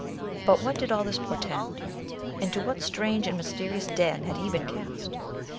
But what did all this portend ? Into what strange and mysterious den had he been cast